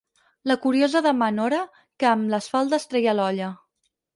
La curiosa de ma nora, que amb les faldes treia l'olla.